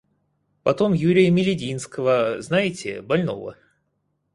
Потом Юрия Мелединского — знаете, больного?